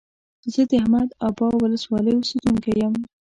زه د احمد ابا ولسوالۍ اوسيدونکى يم.